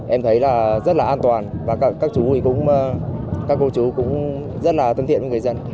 em thấy rất là an toàn và các cô chú cũng rất là thân thiện với người dân